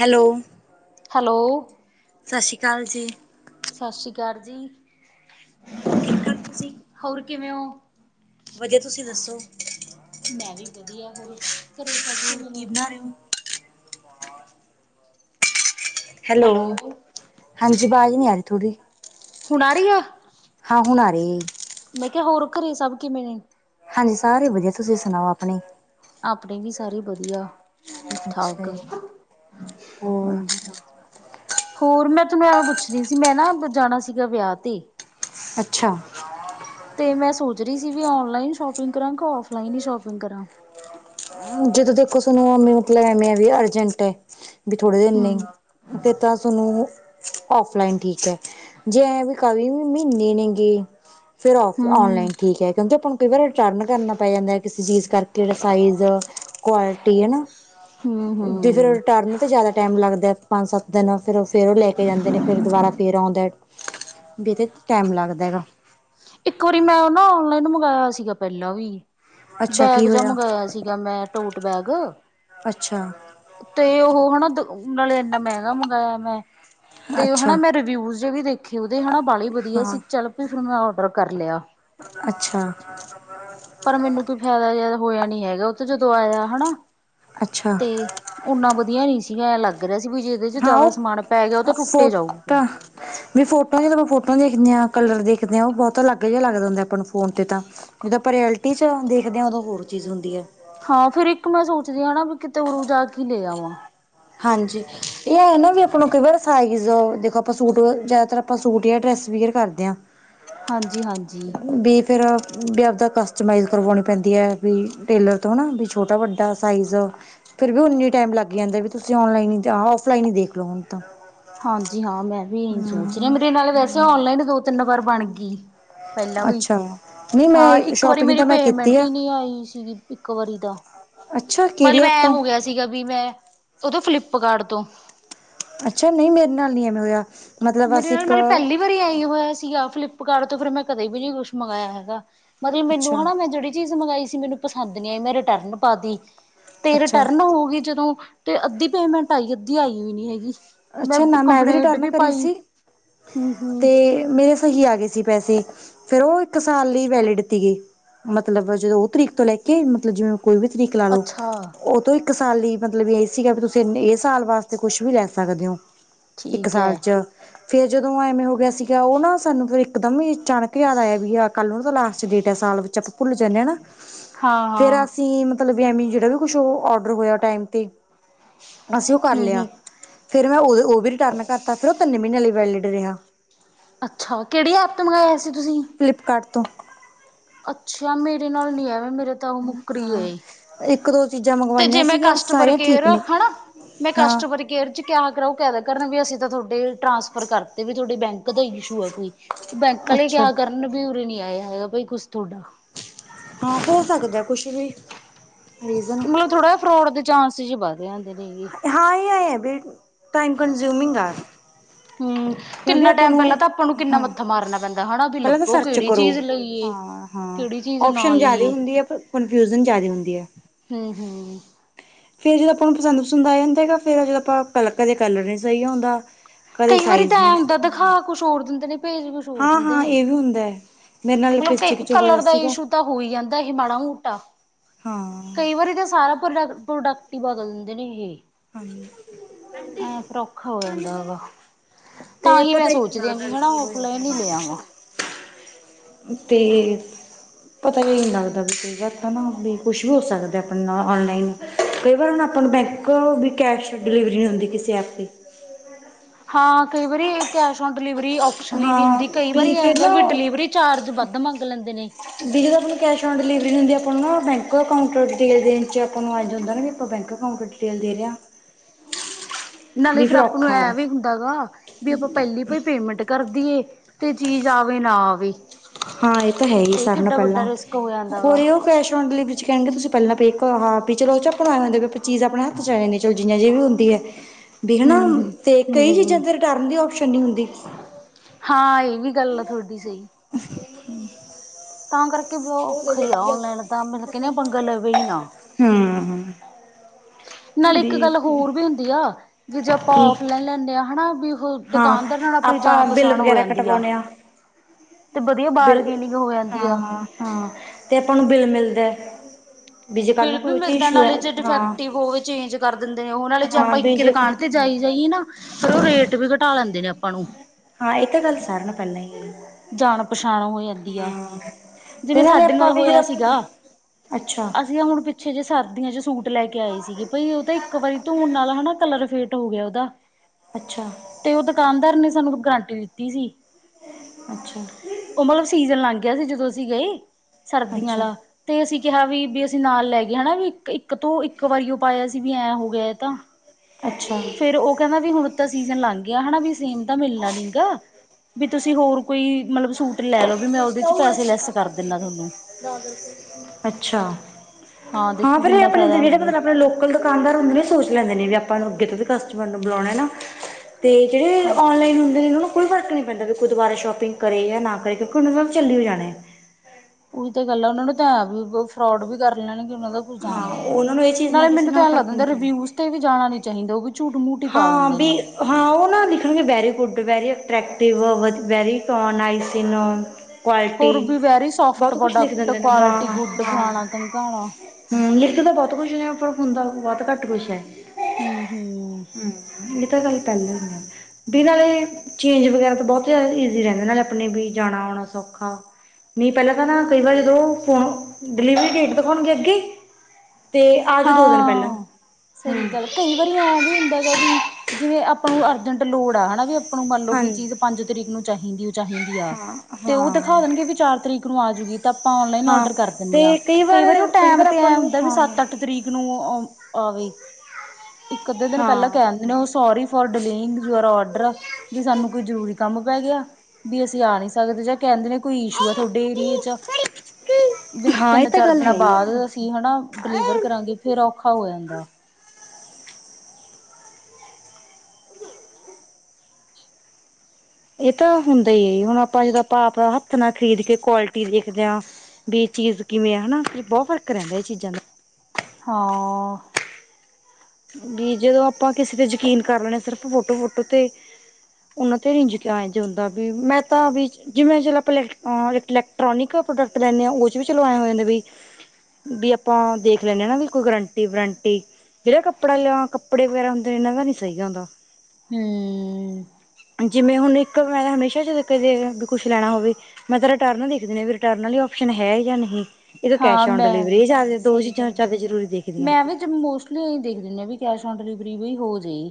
Hello. Hello. ਸਤਸ਼੍ਰੀਅਕਾਲ ਜੀ। ਸਤਸ਼੍ਰੀਅਕਾਲ ਜੀ। ਹੋਰ ਠੀਕ ਠਾਕ ਤੁਸੀ। ਹੋਰ ਕਿਵੇਂ ਹੋ ਮੈਂ ਵੀ ਵਧੀਆ ਹੋਰ ਘਰੇ ਸਭ ਹੋਰ ਕਿਵੇਂ ਕੀ ਨੇ। ਬਣਾ ਰਹੇ ਹੋ ਹੈਲੋ ਹਾਂਜੀ ਆਵਾਜ਼ ਨਹੀਂ ਆਹੀ ਥੋਡੀ। ਹੁਣ ਆ ਰਹੀ ਆ। ਹਾਂ ਹੁਨ ਆ ਰਹੀ ਏ। ਮੈਂ ਕਿਹਾ ਹੋਰ ਘਰੇ ਸਭ ਕਿਵੇਂ ਨੇ। ਹਾਂਜੀ ਸਾਰੇ ਵਧੀਆ ਤੁਸੀ ਸੁਣਾਓ ਆਪਣੀ। ਆਪਨੇ ਵੀ ਸਾਰੇ ਵਧੀਆ ਠੀਕ ਅੱਛਾ ਠਾਕ ਜੀ ਹੋਰ ਹਾਂਜੀ ਹਾਂ। ਹੋਰ ਮੈਂ ਤੁਹਨੂੰ ਐਵੇਂ ਪੁੱਛ ਰਹੀ ਸੀ ਮੈਂ ਨਾ ਜਾਨਾ ਸੀਗਾ ਵਿਆਹ ਤੇ। ਅੱਛਾ। ਤੇ ਮੈਂ ਸੋਚ ਰਹੀ ਸੀ ਵੀ ਔਨਲਾਈਨ ਸ਼ੋਪਿੰਗ ਕਰਾਂ ਕਿ ਉਫਲਾਈਨ ਹੀ ਸ਼ੋਪਿੰਗ ਕਰਾਂ। ਜਦੋਂ ਦੇਖੋ ਤੁਨੂੰ ਮਤਲਬ ਐਵੇਂ ਆ ਵੀ ਅਰਜੈਂਟ ਏ ਵੀ ਥੋੜੇ ਦਿਨ ਨੇ ਹਮ ਫਿਰ ਤਾਂ ਤੁਆਨੁ ਔਫਲਾਈਨ ਠੀਕ ਹੈ। ਜੇ ਐਂਵੀ ਕਾਵਿ ਮਹਿੰਗੀ ਨਈ ਹੈਗੀ, ਫਿਰ ਔਫਲਾਈਨ ਹਮ ਓਨਲਾਈਨ ਠੀਕ ਹੈ। ਕਿਉਂਕਿ ਆਪਾਂ ਵਾਰ ਰਿਟਰਨ ਕਰਨਾ ਪੈ ਜਾਂਦਾ ਹੈ ਕਿਸੇ ਚੀਜ਼ ਕਰਕੇ ਜਿਹੜਾ ਸਾਈਜ਼ ਕੁਆਲਿਟੀ ਹੈਨਾ। ਹਮ ਤੇ ਫੇਰ ਹਮ ਰਿਟਰਨ ਤੇ ਜਿਆਦਾ ਟਾਈਮ ਲਗਦੈ। ਪੰਜ ਸੱਤ ਦਿਨ ਫਿਰ ਫੇਰ ਉਹ ਲੈ ਕੇ ਜਾਂਦੇ ਨੇ ਫੇਰ ਦੁਬਾਰਾ ਫੇਰ ਆਉਂਦਾ। ਬੀ ਇਹਦੇ ਤੇ ਟਾਈਮ ਲੱਗਦਾ ਹੈਗਾ। ਇੱਕ ਵਾਰੀ ਮੈਂ ਨਾਔਨਲਾਈਨ ਮੰਗਇਆ ਸੀਗਾ ਪਹਿਲਾਂ ਵੀ। ਅੱਛਾ ਬੈਗ ਕੀ ਜਾ ਹੋਇਆ ਮੰਗਵਾਇਆ ਸੀਗਾ ਮੈਂ ਟੋਟ ਬੈਗ। ਅੱਛਾ ਤੇ ਉਹ ਹਨਾ ਨਾਲੇ ਇੰਨਾ ਮਹਿੰਗਾ ਮੰਗਵਾਇਆ ਮੈਂ ਤੇ ਅੱਛਾ ਹਨਾ ਮੈਂ ਰਿਵਿਊ ਵੀ ਦੇਖੇ ਉਹਦੇ ਬਾਲੇ ਹੀ ਵਧੀਆ ਸੀ ਹਾਂ ਚੱਲ ਫਿਰ ਮੈਂ ਔਡਰ ਕਰ ਲਿਆ ਅੱਛਾ। ਹਮ- ਪਰ ਮੈਨੂੰ ਕੋਈ ਫਾਇਦਾ ਜਯਾ ਹੋਇਆ ਨੀ ਹੈਗਾ ਉਹ ਤੇ ਜਦੋਂ ਆਇਆ ਹਨਾ ਅੱਛਾ ਤੇ ਉਨਾ ਵਧੀਆ ਨੀ ਸੀਗਾ ਐਂ ਲੱਗ ਰਿਹਾ ਸੀ ਵੀ ਜੇ ਇਹਦੇ ਚ ਹਾਂ ਜ਼ਿਆਦਾ ਉਹ ਸਮਾਨ ਪੈ ਗਿਆ ਉਹ ਤਾਂ ਟੁੱਟ ਹੀ ਜਾਊਗਾ ਫੋਟਾ ਵੀ ਫੋਟੋਆਂ ਜਦੋਂ ਮੈਂ ਫੋਟੋਆਂ ਦੇਖਦੀ ਹਾਂ ਕਲਰ ਦੇਖਦੀ ਹਾਂ ਉਹ ਬਹੁਤ ਅਲੱਗ ਜਿਹਾ ਲੱਗਦਾ ਹੁੰਦਾ ਆਪਾਂ ਨੂੰ ਫੋਨ ਤੇ ਤਾਂ ਜਦੋਂ ਆਪਾਂ ਰਿਐਲਟੀ ਚ ਦੇਖਦੇ ਹਾਂ ਉਦੋਂ ਹੋਰ ਚੀਜ਼ ਹੁੰਦੀ ਹੈ ਹਾਂ, ਫੇਰ ਇੱਕ ਮੈਂ ਸੋਚਦੀ ਵੀ ਕਿਤੇ ਹੋਰ ਜਾ ਕੇ ਲੈ ਆਵਾਂ ਹਾਂਜੀ। ਇਹ ਹੈ ਨਾ ਵੀ ਆਪਾਂ ਨੂੰ ਕਈ ਵਾਰ ਸਾਈਜ਼ ਦੇਖੋ ਆਪਾਂ ਸੂਟ ਜਿਆਦਾਤਰ ਆਪਾਂ ਸੂਟ ਜਾਂ ਡਰੈਸ ਵੀਅਰ ਕਰਦੇ ਹਾਂ ਹਾਂਜੀ ਹਾਂਜੀ ਬੀ ਫਿਰ ਵੀ ਆਪਦਾ ਕਸਟਮਾਈਜ਼ ਕਰਵਾਉਣੀ ਪੈਂਦੀ ਹੈ ਵੀ ਟੇਲਰ ਤੋਂ ਹੈ ਨਾ ਵੀ ਛੋਟਾ ਵੱਡਾ ਸਾਈਜ਼ ਫਿਰ ਵੀ ਉਨੀ ਟਾਈਮ ਲੱਗ ਜਾਂਦਾ ਵੀ ਤੁਸੀਂ ਆਨਲਾਈਨ ਹੀ ਨਹੀਂ ਤਾਂ ਆ ਆਫਲਾਈਨ ਹੀ ਦੇਖ ਲੋ ਹੁਣ ਤਾਂ ਹਾਂਜੀ ਹਾਂ ਮੈਂ ਵੀ ਸੋਚ ਰਹੀ ਆਂ ਮੇਰੇ ਨਾਲ ਵੈਸੇ ਔਨਲਾਈਨ ਦੋ ਤਿੰਨ ਵਾਰ ਬਣ ਗਈ। ਪਹਿਲਾਂ ਵੀ ਅੱਛਾ ਨਹੀਂ ਹਾਂ, ਮੈਂ ਇੱਕ ਵਾਰੀ ਸ਼ੋਪਿੰਗ ਮੇਰੀ ਤਾਂ ਮੈਂ ਕੀਤੀ ਪੇਮੈਂਟ ਆ ਹੀ ਨਹੀਂ ਆਈ ਸੀਗੀ ਇੱਕ ਵਾਰੀ ਤਾਂ ਅੱਛਾ ਕਿਹੜੀ ਮਤਲਬ ਐਪ ਐ ਤੋਂ ਹੋ ਗਿਆ ਸੀਗਾ ਵੀ ਮੈਂ ਉਦੋਂ ਫਲਿੱਪਕਾਰਟ ਤੋਂ ਅੱਛਾ। ਨਹੀਂ ਮੇਰੇ ਨਾਲ ਨਹੀਂ ਐਵੇਂ ਹੋਇਆ। ਮਤਲਬ ਮੇਰੇ ਬਸ ਨਾਲ ਇੱਕ ਮਤਲਬ ਪਹਿਲੀ ਵਾਰੀ ਐਂ ਹੋਇਆ ਸੀਗਾ ਫਲਿੱਪਕਾਰਟ ਤੋਂ ਫਿਰ ਮੈਂ ਕਦੇ ਵੀ ਨਹੀਂ ਕੁਛ ਮੰਗਾਇਆ ਹੈਗਾ। ਮਤਲਬ ਮੈਨੂੰ ਅੱਛਾ ਹਣਾ ਮੈਂ ਜਿਹੜੀ ਚੀਜ਼ ਮੰਗਾਈ ਸੀ ਮੈਨੂੰ ਪਸੰਦ ਨਹੀਂ ਆਈ ਮੈਂ ਰਿਟਰਨ ਪਾ ਤੀ ਤੇ ਅੱਛਾ ਰਿਟਰਨ ਹੋ ਗਈ ਜਦੋਂ ਤੇ ਅੱਧੀ ਪੇਮੈਂਟ ਆਈ ਅੱਧੀ ਆਈ ਓ ਨੀ ਹੈਗੀ। ਅੱਛਾ ਨਾ ਮੈਂ ਵੀ ਰਿਟਰਨ ਕਰੀ ਸੀ ਹਮ ਹਮ ਤੇ ਮੇਰੇ ਸਹੀ ਆ ਗਏ ਸੀ ਪੈਸੇ ਫੇਰ ਉਹ ਇੱਕ ਸਾਲ ਲਈ ਵੈਲਿਡ ਤੀ ਗੀ ਮਤਲਬ ਜਦੋਂ ਉਹ ਤਰੀਕ ਤੋਂ ਲੈ ਕੇ ਮਤਲਬ ਜਿਵੇਂ ਕੋਈ ਵੀ ਤਰੀਕ ਲਾ ਲਓ ਅੱਛਾ ਉਹ ਤੋਂ ਇੱਕ ਸਾਲ ਲਈ ਮਤਲਬ ਇਹ ਸੀਗਾ ਵੀ ਤੁਸੀਂ ਇਹ ਸਾਲ ਵਾਸਤੇ ਕੁੱਛ ਵੀ ਲੈ ਸਕਦੇ ਹੋ ਇੱਕ ਠੀਕ ਸਾਲ ਹੈ 'ਚ ਫਿਰ ਜਦੋਂ ਐਵੇ ਹੋ ਗਿਆ ਸੀਗਾ ਉਹ ਨਾ ਸਾਨੂੰ ਫਿਰ ਇੱਕਦਮ ਹੀ ਅਚਾਨਕ ਯਾਦ ਆਇਆ ਵੀ ਆ ਕੱਲ੍ਹ ਨੂੰ ਤਾਂ ਲਾਸਟ ਡੇਟ ਸਾਲ ਵਿੱਚ ਆਪਾਂ ਭੁੱਲ ਜਾਂਦੇ ਹ ਨਾ ਹਾਂ ਫੇਰ ਹਾਂ ਅਸੀਂ ਮਤਲਬ ਜਿਹੜਾ ਵੀ ਕੁਛ ਆਰਡਰ ਹੋਇਆ ਟਾਈਮ ਤੇ ਅਸੀਂ ਉਹ ਕਰ ਹਮ ਲਿਆ ਹਮ ਫੇਰ ਮੈਂ ਉਹ ਉਹ ਵੀ ਰਿਟਰਨ ਕਰਤਾ ਫੇਰ ਉਹ ਤਿੰਨ ਮਹੀਨਿਆਂ ਲਈ ਵੈਲਿਡ ਰਿਹਾ। ਅੱਛਾ ਕਿਹੜੀ ਐਪ ਤੋਂ ਮੰਗਵਾਇਆ ਸੀ ਤੁਸੀਂ ਫਲਿੱਪਕਾਰਟ ਤੋਂ ਅੱਛਾ। ਮੇਰੇ ਨਾਲ ਨਹੀਂ ਆਵੇਂ ਮੇਰੇ ਤਾਂ ਉਹ ਮੁੱਕਰ ਹੀ ਹਾਂ ਗਏ। ਇੱਕ ਦੋ ਚੀਜ਼ਾਂ ਤੇ ਜੇ ਮੰਗਵਾਈਆਂ ਮੈਂ ਸੀਗੀਆਂ ਕਸਟਮਰ ਸਾਰੀਆਂ ਠੀਕ ਕੇਅਰ ਨੇ ਹਨਾ ਮੈਂ ਹਾਂ। ਕਸਟਮਰ ਕੇਅਰ ਚ ਕਿਹਾ ਕਰਾ ਉਹ ਕਹਿ ਦਿਆ ਕਰਨ ਵੀ ਅਸੀਂ ਤਾਂ ਤੁਹਾਡੇ ਟਰਾਂਸਫਰ ਕਰਤੇ ਵੀ ਤੁਹਾਡੇ ਬੈਂਕ ਦਾ ਇਸ਼ੂ ਆ ਕੋਈ ਬੈਂਕ ਵਾਲੇ ਅੱਛਾ। ਕਿਹਾ ਕਰਨ ਵੀ ਉਰੇ ਨੀ ਆਇਆ ਹੈਗਾ ਬਾਈ ਕੁਛ ਤੁਹਾਡਾ ਹਾਂ ਹੋ ਸਕਦਾ। ਕੁਛ ਵੀ ਰੀਜ਼ਨ ਨਹੀਂ ਥੋੜਾ ਫਰੋਡ ਦੇ ਚਾਂਸ ਵਧ ਜਾਂਦੇ ਨੇਗੇ ਹਾਂ ਇਹ ਆਏ ਆ ਬੀ ਟਾਈਮ ਕੰਨਜ਼ਿਊਮਿੰਗ ਆ। ਹਮ ਕਿਉਂਕਿ ਕਿੰਨਾ ਆਪਾਂ ਟਾਈਮ ਨੂੰ ਪਹਿਲਾਂ ਤਾਂ ਆਪਾਂ ਨੂੰ ਕਿੰਨਾ ਹਾਂ ਮੱਥਾ ਮਾਰਨਾ ਪੈਂਦਾ। ਹਨਾ ਵੀ ਪਹਿਲਾਂ ਤਾਂ ਲੱਭੋ ਸਰਚ ਕਿਹੜੀ ਕਰੋ ਚੀਜ਼ ਲਈਏ ਹਾਂ -ਹਾਂ ਕਿਹੜੀ ਚੀਜ਼ ਨਾ ਓਪਸ਼ਨ ਜਿਆਦਾ ਲਈਏ ਹੁੰਦੀ ਆ ਪਰ ਕਨਫਿਊਜਨ ਜ਼ਿਆਦੇ ਹੁੰਦੀ ਹੈ। [unintelligible] ਫਿਰ ਜਦੋਂ ਆਪਾਂ ਨੂੰ ਪਸੰਦ- ਪਸੰਦ ਆ ਜਾਂਦੇਗਾ, ਫਿਰ ਜਦੋਂ ਆਪਾਂ ਕਲ ਕਦੇ ਕਲਰ ਨਹੀਂ ਕਦੇ ਕਈ ਵਾਰੀ ਤਾਂ ਸਾਈਜ਼ ਐ ਨਹੀਂ ਹੁੰਦਾ ਦਿਖਾ ਕੁੱਛ ਹੋਰ ਦਿੰਦੇ ਨੇ ਭੇਜ ਕੁਛ ਹੋਰ ਹਾਂ ਦਿੰਦੇ ਹਾਂ ਨੇ ਇਹ ਵੀ ਹੁੰਦਾ ਹੈ ਮੇਰੇ ਨਾਲ ਲਿਪਸਟਿਕ ਮਤਲਬ ਚ ਹੋਇਆ ਕਲਰ ਦਾ ਸੀਗਾ ਇਸ਼ੂ ਤਾਂ ਹੋਈ ਜਾਂਦਾ ਸੀ ਮਾੜਾ ਮੂਟਾ ਹਾਂ। ਕਈ ਵਾਰੀ ਤਾਂ ਸਾਰਾ ਪ੍ਰੋਡ ਪ੍ਰੋਡਕਟ ਹੀ ਬਦਲ ਦਿੰਦੇ ਨੇ ਇਹੇ। ਹਾਂਜੀ, ਔਖਾ ਹੋ ਜਾਂਦਾ ਹੈਗਾ [unintelligible] ਤਾਂ ਤੇ ਮੈਂ ਪਤਾ ਹੀ ਨਹੀਂ ਸੋਚਦੀ ਹਾਂ ਲੱਗਦਾ ਵੀ ਹਨਾ ਕੀ ਹੋ ਔਫਲਾਈਨ ਹੀ ਜਾਂਦਾ ਲੈ ਆਵਾਂ ਹੈਗਾ? ਤੇ। ਪਤਾ ਹੀ ਨਹੀਂ ਲੱਗਦਾ ਕਈ ਵਾਰ ਤਾਂ ਨਾ ਵੀ ਕੁਛ ਹੋ ਸਕਦਾ ਆਪਣੇ ਨਾਲ ਔਨਲਾਈਨ। ਕਈ ਵਾਰ ਹੁਣ ਆਪਾਂ ਨੂੰ, ਬੈਂਕ ਵੀ ਕੈਸ਼ ਡਿਲੀਵਰੀ ਨਹੀਂ ਹੁੰਦੀ ਕਿਸੇ ਐਪ ਤੇ। ਹਾਂ, ਕਈ ਵਾਰੀ ਕੈਸ਼ ਔਨ ਡਿਲੀਵਰੀ ਓ ਆਪਸ਼ਨ ਹੀ ਨੀ ਹਾਂ ਹੁੰਦੀ ਕਈ ਵੀ ਵਾਰੀ ਐ ਫਿਰ ਹੁੰਦਾ ਨਾ ਵੀ ਡਿਲੀਵਰੀ ਚਾਰਜ ਵੱਧ ਮੰਗ ਲੈਂਦੇ ਨੇ। ਵੀ ਜਦੋਂ ਆਪਾਂ ਨੂੰ ਕੈਸ਼ ਔਨ ਡਿਲੀਵਰੀ ਹੁੰਦੀ ਆਪਾਂ ਨੂੰ ਨਾ ਬੈਂਕ ਅਕਾਊਂਟ ਡਿਟੇਲ ਦੇਣ ਚ ਆਪਾਂ ਨੂੰ ਐ ਹੁੰਦਾ ਨਾ ਵੀ ਪਤਾ ਅਕਾਊਂਟ ਡਿਟੇਲ ਦੇ ਰਿਹਾ [unintelligible] ਨਾਲੇ ਫੇਰ ਆਪਾਂ ਨੂੰ ਔਖਾ ਐ ਹੈ ਵੀ ਗਾ ਵੀ ਆਪਾਂ ਪਹਿਲੀ ਭਈ ਪੇਮੈਂਟ ਕਰਦੀਏ ਤੇ ਚੀਜ਼ ਆਵੇ ਨਾ ਆਵੇ? ਹਾਂ, ਇਹ ਤਾਂ ਹੈ ਹੀ ਇਹ ਸਾਰਿਆਂ ਨਾਲ ਕਿੱਡਾ ਵੱਡਾ ਪਹਿਲਾਂ ਰਿਸਕ ਹੋ ਜਾਂਦਾ ਵਾ [unintelligible] ਕੈਸ਼ ਔਨ ਡਿਲਵਰੀ ਚ ਕਹਿਣਗੇ ਤੁਸੀਂ ਪਹਿਲਾਂ ਪੇ ਕਰੋ ਹਾਂ ਵੀ ਚਲ ਉਹ ਚ ਆਪਣਾ ਆਏ ਹਦੇ ਵੀ ਚਜ਼ ਆਪਣੇ ਹੱਥ ਚ ਆ ਜਾਂਦੇ ਚੋ ਜੇ ਵੀ ਹੁੰਦੀ ਹੈ। ਵੀ ਹਨਾ ਹੂੰ ਤੇ ਕਈ ਹੂੰ ਚੀਜ਼ਾਂ ਹੂੰ ਤੇ ਰਿਟਰਨ ਦੀ ਓਪਸ਼ਨ ਨੀ ਹੁੰਦੀ। ਹਾਂ, ਇਹ ਵੀ ਗੱਲ ਆ ਤੁਹਾਡੀ ਸਹੀ। [unintelligible] [unintelligible] ਤਾਂ ਕਰਕੇ ਵੀ ਔਖਾ ਹੀ ਆ ਔਨਲਾਈਨ ਦਾ ਮੈਨੂੰ ਕਹਨੀ ਪੰਗਾ ਲਵੇ ਹੀ ਨਾ। ਹੂੰ। ਨਾਲੇ ਇੱਕ ਵੀ ਗੱਲ ਹੋਰ ਵੀ ਹੁੰਦੀ ਆ ਵੀ ਜੇ ਆਪਾਂ ਕੀ ਔਫਲਾਈਨ ਲੈਂਦੇ ਹਾਂ ਹਨਾ ਵੀ ਓਹ ਹਾਂ ਦੁਕਾਨਦਾਰ ਨਾਲ ਆਪਣੀ ਜਾਣ ਆਪਾਂ ਬਿੱਲ ਪਛਾਣ ਹੋ ਵਗੈਰਾ ਜਾਂਦੀ ਆ। ਕਟਵਾਉਂਦੇ ਹਾਂ ਤੇ ਵਧੀਆ ਬਿੱਲ ਬਾਰਗੇਨਿੰਗ ਹੋ ਜਾਂਦੀ ਆ। ਹਾਂ ਹਾਂ, ਤੇ ਆਪਾਂ ਨੂੰ ਬਿੱਲ ਮਿਲਦਾ। ਵੀ ਜੇ ਕੱਲ ਬਿਲ ਨੂੰ ਕੋਈ ਵੀ ਉਹ ਚ ਮਿਲਦਾ ਇਸ਼ੂ ਆ ਨਾਲੇ, ਜੇ ਹਾਂ ਡਿਫੈਕਟਿਵ ਹੋਵੇ ਚੇਂਜ ਕਰ ਦਿੰਦੇ ਨੇ ਉਹ ਨਾਲੇ ਜੇ ਹਾਂ ਆਪਾਂ ਵੀ ਇੱਕ ਜੇ ਦੁਕਾਨ ਤੇ ਜਾਈ ਜਾਈਏ ਨਾ। ਫਿਰ ਉਹ ਰੇਟ ਵੀ ਘਟਾ ਲੈਂਦੇ ਨੇ ਆਪਾਂ ਨੂੰ। ਹਾਂ, ਇਹ ਤਾ ਗੱਲ ਸਾਰ ਨੂੰ ਪਹਿਲਾਂ ਜਾਣ, ਪਛਾਣ ਹੋ ਜਾਂਦੀ ਆ ਹੈ ਤੇ ਜਿਵੇਂ ਨਾਲੇ ਸਾਡੇ ਆਪਾਂ ਨਾਲ ਵੀ ਹੋਇਆ ਸੀਗਾ। ਅੱਛਾ ਅਸੀਂ ਹੁਣ ਪਿੱਛੇ ਜੇਹੇ ਸਰਦੀਆਂ ਚ ਸੂਟ ਲੈ ਕੇ ਆਏ ਸੀਗੀ ਬਈ ਉਹ ਤਾਂ ਇੱਕ ਵਾਰੀ ਧੋਣ ਨਾਲ ਹਨਾ ਕਲਰ ਫੇਟ ਹੋ ਗਿਆ ਉਹਦਾ। ਅੱਛਾ। ਤੇ ਉਹ ਦੁਕਾਨਦਾਰ ਨੇ ਸਾਨੂੰ ਗਰੰਟੀ ਦਿੱਤੀ ਸੀ। ਅੱਛਾ। ਉਹ ਮਤਲਬ ਸੀਜ਼ਨ ਲੰਗ ਗਿਆ ਸੀ ਜਦੋਂ ਅਸੀਂ ਗਏ ਸਰਦੀਆਂ ਅੱਛਾ ਵਾਲਾ। ਤੇ ਅਸੀਂ ਕਿਹਾ ਵੀ, ਵੀ ਅਸੀਂ ਨਾਲ ਲੈ ਗਏ ਹਨਾ ਵੀ ਇੱਕ, ਇੱਕ ਧੋ ਇੱਕ ਵਾਰੀ ਉਹ ਪਾਇਆ ਸੀ ਵੀ ਐਂ ਹੋ ਗਿਆ ਤਾਂ। ਅੱਛਾ। ਫਿਰ ਉਹ ਕਹਿੰਦਾ ਵੀ ਹੁਣ ਤਾਂ ਸੀਜਨ ਲੰਘ ਗਿਆ ਹਨਾ ਵੀ ਸੇਮ ਤਾਂ ਮਿਲਣਾ ਨੀ ਗਾ ਵੀ ਤੁਸੀਂ ਹੋਰ ਕੋਈ ਮਤਲਬ ਸੂਟ ਲੈ ਲਓ ਵੀ ਮੈਂ ਉਹਦੇ ਚ ਪੈਸੇ ਲੈਸ ਕਰ ਦਿੰਦਾ ਤੁਹਾਨੂੰ। ਅੱਛਾ, ਹਾਂ ਦੇਖੋ ਫਿਰ ਇਹ ਕਿੰਨਾ ਆਪਣੇ ਫਾਇਦਾ ਹੋ ਜਿਹੜੇ ਗਿਆ ਮਤਲਬ ਆਪਣੇ ਲੋਕ ਲੋਕਲ ਦੁਕਾਨਦਾਰ ਹੁੰਦੇ ਨੇ ਸੋਚ ਲੈਂਦੇ ਨੇ, ਵੀ ਆਪਾਂ ਨੂੰ ਅੱਗੇ ਤੋਂ ਵੀ ਕਸਟਮਰ ਨੂੰ ਬੁਲਾਉਣਾ ਨਾ ਤੇ ਜਿਹੜੇ ਹਾਂ। ਔਲਾਈਨ ਹੁੰਦੇ ਨੇ ਉਹਨਾਂ ਨੂੰ ਕੋਈ ਫਰਕ ਨਹੀਂ ਪੈਂਦਾ ਵੀ ਕੋਈ ਦੁਬਾਰਾ ਸ਼ੋਪਿੰਗ ਕਰੇ ਜਾਂ ਨਾ ਕਰੇ ਕਿਉਂਕਿ ਉਹਨਾਂ ਚੱਲੀ ਹੋ ਜਾਣੇ ਹੈ। ਉਹੀ ਤਾਂ ਗੱਲ ਹੈ, ਉਹਨਾ ਨੂੰ ਤਾਂ ਵੀ ਫਰੋਡ ਵੀ ਕਰ ਲੈਣਗੇ। ਉਹ ਦਾ ਕੁਝ ਹਾਂ ਜਾਣਾ ਨੀ ਹੈਗਾ ਉਹਨਾਂ ਨੂੰ ਇਹ ਚੀਜ਼ ਨਾਲ ਨਾਲੇ ਕਿਸੇ ਮੈਨੂੰ ਤਾ ਨਾਲ ਆਹ ਲੱਗ ਫਰਕ ਨਹੀਂ ਹੁੰਦਾ ਪੈਣਾ ਰਿਵਿਊਜ਼ ਤੇ ਵੀ ਜਾਣਾ ਨੀ ਚਾਹੀਦਾ ਉਹ ਝੂਠ ਮੂਠ ਹੀ ਪਾ ਹਾਂ, ਦਿੰਦੇ ਵੀ ਨੇਗੇ ਹਾਂ, ਉਹ ਨਾ ਲਿਖਣਗੇ very good, very attractive, very [unintelligible] quality, ਹੋਰ ਵੀ ਵੈਰੀ ਸੋਫਟ ਬਹੁਤ ਕੁਛ ਲਿਖ ਪ੍ਰੋਡਕਟ ਦਿੰਦੇ ਨੇ ਹਾਂ, ਕੁਆਲਿਟੀ ਹਾਂ, ਗੁੱਡ ਫਲਾਣਾ ਧਮਕਾਣਾ ਹਾਂ। ਲਿਖਦੇ ਤਾ ਬਹੁਤ ਕੁਛ ਪਰ ਹੁੰਣਦਾ ਬਹੁਤ ਘੱਟ ਕੁੱਛ ਹੈ। ਹਮ, ਹਮ। [unintelligible] ਹਮ, ਇਹ ਤਾਂ ਗਲ ਪੈਲਾ। ਵੀ ਨਾਲੇ ਚੇਂਜ ਵਗੈਰਾ ਤਾਂ ਬਹੁਤ ਈਜ਼ੀ ਰਹਿੰਦੇ ਨਾਲੇ ਆਪਣੇ ਵੀ ਜਾਣਾ, ਆਉਣਾ ਸੌਖਾ। ਨੀ ਪੈਲਾਂ ਤਾਂ ਨਾ ਕਈ ਵਾਰੀ ਜਦੋਂ ਫੋ ਡਿਲੀਵਰੀ ਡੇਟ ਤੇ [unintelligible] ਤੇ ਆਜੋ ਦੋ ਦੇਣ ਪੈਲਾਂ ਹਾਂ ਸਹੀ ਗੱਲ ਕਈ ਵਾਰੀ ਐਂ ਵੀ ਹੁੰਦਾ ਗਾ ਵੀ, ਜਿਵੇਂ ਆਪਾਂ ਨੂੰ ਅਰਜੰਟ ਲੋੜ ਆ ਹਨਾ ਵੀ ਆਪ ਨੂੰ ਮਾਨ ਲੋ ਹਾਂ ਕੋਈ ਚੀਜ਼ ਪੰਜ ਤਰੀਕ ਨੂੰ ਚਾਹੀਂਦੀ ਓ ਚਾਹੀਂਦੀ ਆ, ਤੇ ਓ ਦਖਾ ਹਾਂ ਦੇਨਗੇ ਵੀ ਚਾਰ ਤਰੀਕ ਆਜੂਗੀ ਤਾਂ ਆਪਾਂ ਔਨਲਾਈਨ ਹਾਂ ਔਡਰ ਕਰ ਦੰਨੇ ਆਂ, ਤੇ ਕਈ ਵਾਰ ਵਾਰੀ ਓ ਕਈ ਟੈਮ ਵਾਰ ਤੇ ਆਪਾਂ ਐ ਨੂੰ ਹੁੰਦਾ ਵੀ ਹਾਂ ਸੱਚ ਅੱਠ ਤਰੀਕ ਨੂੰ ਓ ਅ, ਆਵੇ ਇੱਕ-ਅੱਦੇ ਦਿਨ ਪੈਲਾਂ ਹਾਂ ਕੈ ਦੰਦੇ ਓ sorry for delaying your order, ਵੀ ਸਾਨੂੰ ਕੋਈ ਜਰੂਰੀ ਕੰਮ ਪੈ ਗੇਆ ਬੀ ਅਸੀਂ ਆ ਨੀ ਸਾਕਦੇ ਜਾਂ ਕੈਂਦੇ ਨੇ ਕੋਈ ਇਸ਼ੂ ਆ ਥੋਡੇ ਏਰੀਏ ਚ, ਵੀ ਹਾਂ ਇਹ ਤਾਂ ਤਿੰਨ-ਚਾਰ ਗੱਲ ਦਿਣਾ ਹੈ ਹੀ ਬਾਦ ਅਸੀਂ ਹਣਾਂ ਡਿਲੀਵਰ ਕਰਾਂਗੇ ਫੇਰ ਔਖਾ ਹੋ ਜਾਂਦਾ। ਏ ਤਾਂ ਹੁੰਦਾ ਈ ਏ, ਹੋਣ ਆਪਾਂ ਜਦੋਂ ਆਪਾਂ ਆਪਣਾ ਹਾੱਥ ਨਾਲ ਖਰੀਦ ਕੇ ਕੁਆਲ ਲਟੀ ਦੇਖਦੇ ਆਂ, ਦੇਖੀ ਏ ਚੀਜ਼ ਕਿਵੇਂ ਆ ਹਨਾ ਬੋਤ ਫਰਕ ਰੈਂਦਾ ਏ ਚੀਜਾਂ ਦਾ। ਹਾਂ, ਬੀ ਜਦੋਂ ਆਪਾਂ ਕਿਸੇ ਤੇ ਜਕੀਨ ਕਾਰ ਲੈਣੇ ਆ ਸਿਰਫ ਫੋਟੋ-ਫੁਟ ਕੇ ਓਨਾਂ ਤੇ ਜੈ ਕੇ ਆਏ ਜਾਂਦਾ ਵੀ ਮੈਂ ਤਾਂ ਵੀ [unintelligible] ਜਿਵੇਂ ਚਲ ਆਪਾਂ ਇਲ ਇਲੈਕਟ੍ਰੋਨਿਕ ਪ੍ਰੋਡਕਟ ਲੈਂਨੇ ਆਂ ਓ ਚ ਵੀ ਚਲੋ ਐਂ ਹੋਂਦਾ ਬਈ ਬੀ ਆਪਾਂ ਦੇਖ ਲੈਂਨੇ ਆਂ ਨਾ ਕੋਈ ਗਰੰਟੀ-ਵਰੰਟੀ ਜੇੜਾ ਕੱਪੜੇ ਲੇਆ ਕੱਪੜੇ ਵਗੈਰਾ ਹੁੰਦੇ ਏਨਾਂ ਦਾ ਨੀ ਸਈ ਆਂਦਾ ਹੂੰ। ਜਿਮੇਂ ਹੁਣ ਇੱਕ ਮੈਂ ਤਾਂ ਹਮੇਸ਼ਾ ਜਦੋਂ ਕਦੇ ਵੀ ਕੁਛ ਲੈਣਾ ਹੋਵੇ ਮੈਂ ਤਾਂ ਰਿਟਰਨ ਦੇਖ ਦੀ ਹੁਨੀ ਰਿਟਰਨਲੀ ਵਾਲੀ ਓਪਸ਼ਨ ਹੈ ਯਾ ਨਹੀਂ। ਏਕ ਹਾਂ ਕੈਸ਼ ਔਨ ਮੈਂ ਵੀ ਡਿਲੇਵਰੀ ਜਾ ਦੋ ਚੀਜਾ ਜਾਦਾ ਜਰੂਰੀ ਦੇਖਦੀਆਂ। ਤੇ ਮੋਸਟਲੀ ਅਸੀਂ ਦੇਖ ਦਿੰਦੇ ਹਾਂ, ਵੀ ਕੈਸ਼ ਨ ਡਿਲੀਵਰੀ ਵੀ ਹੋ ਜਾਏ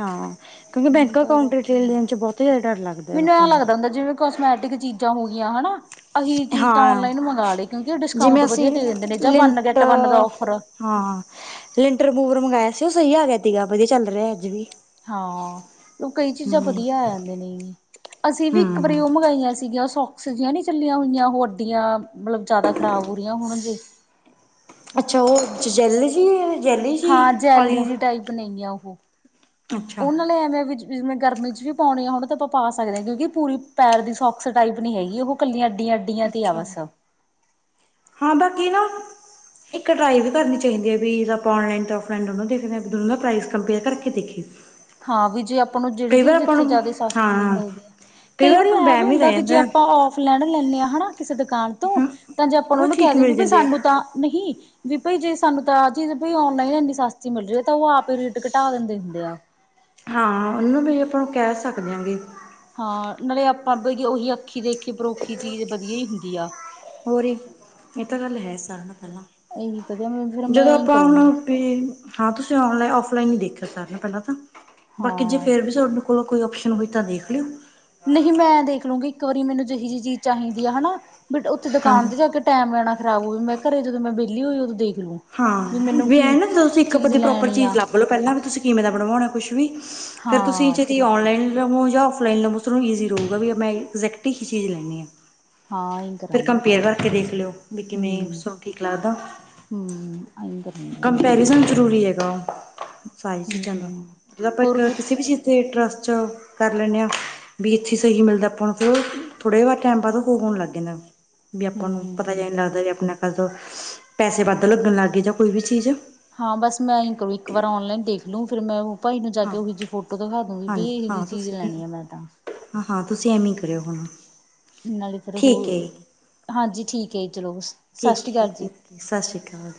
ਹਾਂ, ਕੇਓਕਿ ਨਹੀਂ ਬੈਂਕ ਤਾਂ ਅਕਾਊਂਟ ਡੀਟੇਲ ਔਖਾ ਦੇਣ ਚ ਬੋਤ ਜਾਦਾ ਡਾਰ ਲੱਗਦੈ ਮੈਨੂੰ ਆਪਾ ਐਂ ਨੂੰ ਲੱਗਦਾ ਹੁੰਦਾ ਜਿਵੇਂ ਕੋਸਮੈਟਿਕ ਚੀਜਾ ਹੋ ਗਿਆਂ ਹਣਾ ਅਹੀ ਚੀਜ ਤਾਂ ਹਾਂ ਔਨਲਾਈਨ ਮੰਗਵਾ ਲਏ ਕਿਓਕਿ ਡਿਸਕਾਊਂਟ ਜਿਵੇਂ ਅਸੀਂ ਵਦੀਆ ਦੇ ਦੇਂਦੇ ਨੇ ਜਾਂ ਵੱਨ ਲਿੰਟ ਗੇਟ ਵਨ ਦਾ ਔਫਰ ਹਾਂ, ਲਿੰਟਰ ਮੂਵਰ ਮੰਗਾਏਆ ਸੀ ਓ ਸਈ ਆ ਗੇਆ ਤੀਗਾ ਵਦੀਆ ਚੱਲ ਰੇਆ ਆੱਜ ਵੀ। ਹਾਂ, ਓ ਕਈ ਚੀਜਾ ਹਮ ਬਦੀਆ ਆ ਜਾਂਦੇ ਨੇ। ਅਸੀਂ ਵੀ ਇੱਕ ਵਰੀ ਹਮ ਓ ਮੰਗਾਈਆਂ ਸੀਗੀਆਂ ਸੋ ਸਜੀਆਂ ਨੀ ਚੱਲੀਆਂ ਹੋਈਆਂ ਓ ਅੱਡੀਆਂ, ਮਲਬ ਜਾਦਾ ਖਰਾਬ ਹੋ ਰੀਆਂ ਹੋਣ ਜੇ। ਅੱਛਾ, ਓ ਜੇਲ ਜੀ ਏ? ਹਾਂ, ਜੈਲੀ ਜਿ ਟਾਈਪ ਬਨਾਈ ਆ ਓਹ, ਅੱਛਾ ਓਨ ਨਾਲੇ ਐਵੇਂ ਵੀ ਜਿਵੇਂ ਗਰਮੀ ਚ ਵੀ ਪਾਉਣੀ ਆ ਹੋਣ ਤਾਂ ਓ ਆਪਾਂ ਪਾ ਸਕਦੇ ਆਂ, ਕੇਓਕਿ ਪੂਰੀ ਪੈਰ ਦੀ ਸੋਕਸ ਟਾਈਪ ਨੀ ਹੈਗੀ ਓ ਕੱਲੀਆਂ ਅੱਡੀਆਂ ਅ ਅੱਛਾ, ਹਾਂ ਬਾਕੀ ਨਾ ਇੱਕ ਟ੍ਰਾਈ ਵੀ ਕਰਨੀ ਚਈਂਦੀ ਆ ਵੀ, ਆਪਾਂ ਔਨ਼ਲਾਈਨ਼ ਤੇ ਔਫਲਾਈਨ਼ ਦੋਨੋਂ ਦੇਖਦੇ ਆਂ ਵੀ ਦੋਨੋਂ ਪ੍ਰਾਈਜ਼ ਕੰਪੇਅਰ ਕਰਕੇ ਦੇਖੇ [inaudible] ਹਾਂ, ਵੀ ਜੇ ਆਪਾਂ ਨੂੰ ਜੇੜੀ ਚੀਜ ਜਿੱਥੇ ਜਾਦੇ ਸਾਸਤੀ ਹਾਂ ਮਿਲ਼ਦੀ ਆ ਕਈ ਵਾਰ ਵਰੀ ਆਪਾਂ ਨੂੰ ਐਂ ਵੀ ਵਹਿਮ ਹੀ ਹੁੰਦਾ ਰਹਿ ਵੀ ਜੇ ਜਾਂਦਾ ਆਪਾਂ ਓ ਫ ਲੈਣਾ ਲੈਨੇ ਆ ਹਣਾ ਕਿਸੇ ਦੁਕਾਨ ਤੋਂ, ਹੂੰ। ਤਾਂ ਜੇ ਆਪਾਂ ਉਹ ਓਨੂੰ ਠੀਕ ਕੈਦੇ ਮਿਲ ਵੀ ਜਾਂਦੇ ਆ। ਸਾਨੂੰ ਤਾਂ ਨਹੀਂ ਵੀ ਭਾਈ ਜੇ ਸਾਨੂੰ ਤਾਂ ਆਹ ਚੀਜ ਔਨਲਾਈਨ ਐਨੀ ਸਾਸਤੀ ਮਿਲ ਰਈ ਐ, ਤਾਂ ਓ ਆਪੀ ਈ ਰੇਟ ਘਟਾ ਦੰਦੇ ਹੁੰਦੇ ਆ ਹਾਂ, ਓਨੂੰ ਬੀ ਆਪਾਂ ਨੂੰ ਕੈ ਸਕਦੇ ਆ ਬੀ। ਹਾਂ, ਨਾਲੇ਼ ਆਪਾਂ ਬਈ ਓਹੀ ਅੱਖੀ ਦੇਖੀ ਪਰੋਖੀ ਚੀਜ ਬਦੀਆ ਈ ਹੁੰਦੀ ਆ ਹੋਰ ਇੱਕ, ਏ ਤਾਂ ਗਾੱਲ ਹੈ ਸਾਰੇਆ ਨੋ ਪੈਲਾਂ। ਇਹੀ ਵਧੀਆ ਮੈਂ ਫਿਰ ਮੈਂ ਜਦੋਂ ਇਹੀ ਆਪਾਂ ਹੁਣ ਕਰੂੰਗੀ ਬੀ ਹਾਂ ਤੁਸੀਂ ਔਨ਼ਲਾਈਨ਼ ਔਫਲਾਈਨ਼ ਈ ਦੇਖ ਸਾਕਦੇ ਓ ਪੈਲਾਂ ਤਾਂ, ਬਾਕੀ ਜੇ ਹਾਂ। ਫੇਰ ਵੀ [unintelligible] ਕੋਲੋਂ ਕੋਈ ਓਪਸ਼ਨ ਹੋਈ ਤਾਂ ਦੇਖ ਲੇਓ। ਨਹੀਂ ਮੈਂ ਦੇਖ ਲੂੰਗੀ ਇੱਕ ਵਰੀ ਮੈਨੂੰ ਜੇਹੀ ਚੀਜ ਚਾਹੀਂਦੀ ਆ ਹਣਾ, ਬਟ ਓਥੇ ਦਕਾਨ ਹਾਂ। ਤੇ ਜਾ ਕੇ ਟੈਮ ਐਣਾ ਖਰਾਬ ਹੋਵੇ ਮੈਂ ਘਰੇ ਜਦੋਂ ਮੈਂ ਬੇਲੀ ਹੋਈ ਊਦੋ ਦੇਖ ਲੂੰ। ਹਾਂ, ਮੈਨੂੰ ਵੀ ਐ ਕੀ ਨਾ ਜਦੋ ਤੁਸੀਂ ਇੱਕ ਚੀਜ਼ ਪਜ ਪ੍ਰੋਪਰ ਲੈਣੀ ਚੀਜ਼ ਆ ਲੱ ਮਲਬ ਪੈਲਾਂ ਵੀ ਤੁਸੀਂ ਕਿਵੇਂ ਦਾ ਬਣਵਾਓਣਾ ਕੁਛ ਵੀ, ਫੇਰ ਤੁਸੀਂ ਹਾਂ ਛੇਤੀ ਫਿਰ ਔਨ਼ਲਾਈਨ ਲਵੋ ਜਾਂ ਔਫਲਾਈਨ ਲਵੋਂ ਤੁਹਾਨੂੰ ਈਜ਼ੀ ਰਹੂਗਾ ਵੀ ਮੈਂ ਐਜੈਕਟ ਹੀ ਚੀਜ਼ ਲੈਣੀ ਆ। ਹਾਂ ਇ ਫਿਰ ਕਰਾਂਗੇ ਆਪਾਂ ਕੰਪੇਅਰ ਕਰਕੇ ਦੇਖ ਲਿਓ ਵੀ ਕਿਵੇਂ ਸ ਠੀਕ ਲੱਗਦਾ। ਹਾਂ ਟਆਈ ਕਰੂੰਗੀ ਮੈਂ ਫੇਰ। ਕੰਪੈਰੀਜ਼ਨ ਜ਼ਰੂਰੀ ਹੈਗਾ ਸਾਰੀ ਚੀਜ਼ਾਂ ਦਾ ਜਦੋਂ ਆਪਾਂ ਹੋਰ ਕੁ ਕਿਸੇ ਵੀ ਚੀਜ਼ ਤੇ ਟਰਸਟ ਜਹਾ ਕਰ ਲੇਨੇ ਹਾਂ। ਵੀ ਇੱਥੇ ਸਹੀ ਮਿਲਦਾ ਆਪਾਂ ਨੂੰ ਫਿਰ ਥੋੜੇ ਵਾਰ ਟਾਈਮ ਬਾਅਦ ਹੋਣ ਲੱਗ ਜਾਂਦਾ। ਵੀ ਆਪਾਂ ਹਮ ਨੂੰ ਪਤਾ ਹਮ ਜੇਹਾ ਨਹੀ ਲੱਗਦਾ ਵੀ ਆਪਣਾ ਕਦੋਂ ਪੈਸੇ ਵੱਧ ਲੱਗਣ ਲੱਗ ਗਏ ਜਾਂ ਕੋਈ ਵੀ ਚੀਜ਼। ਹਾਂ ਬਸ ਮੈਂ ਇੱਕ ਵਾਰ ਔਨਲਾਈਨ ਦੇਖ ਲੂੰ ਫਿਰ ਮੈਂ ਭਾਈ ਨੂੰ ਜਾ ਕੇ ਹਾਂ ਇਹੋ ਜਿਹੀ ਫੋਟੋ ਦਿਖਾ ਦੋ ਬਈ ਇਹੋ ਜਿਹੀ ਚੀਜ਼ ਲੈਣੀ ਆ ਮੈਂ ਤਾ। ਹਾਂ-ਹਾਂ ਤੁਸੀਂ ਐਵੇ ਹੀ ਕਰਿਓ ਹੁਣ। ਨਾਲੇ ਫਿਰ ਠੀਕ ਉਹ ਹੈ ਜੀ, ਹਾਂਜੀ, ਠੀਕ ਹੈ ਚਲੋ ਬਸ। ਠੀਕ ਹੈ, ਓਕੇ ਸਸ ਸ੍ਰੀ ਕਾਲ।